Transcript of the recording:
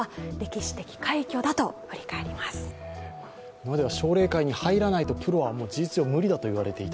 今までは奨励会に入らないとプロは事実上無理だと言われていた。